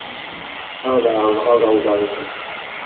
Ad ɛerḍeɣ ad d-awḍeɣ zik.